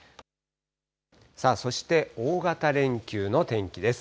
さあそして、大型連休の天気です。